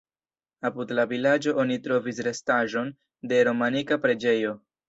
Apud la vilaĝo oni trovis restaĵon de romanika preĝejo.